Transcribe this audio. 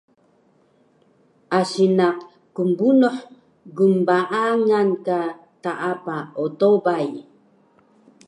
Asi naq knbunuh gnbaang ka taapa otobay